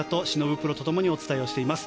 プロと共にお伝えしています。